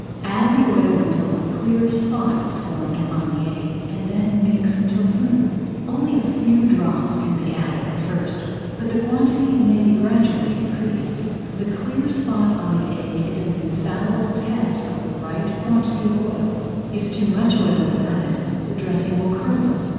Add the oil until a clear spot is formed upon the egg, and then mix [Page 30] until smooth. Only a few drops can be added at first, but the quantity may be gradually increased. The clear spot on the egg is an infallible test of the right quantity of oil. If too much oil is added the dressing will curdle.